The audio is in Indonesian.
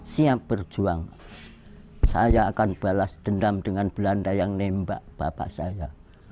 siap berjuang saya akan balas dendam dengan belanda yang nembak bapak saya